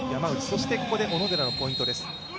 そしてここで小野寺のポイントです。